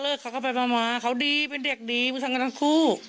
เลิกเขาก็ไปมาเขาดีเป็นเด็กดีมึงทั้งกันทั้งคู่